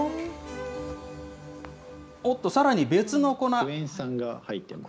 おっと、さらに別の粉。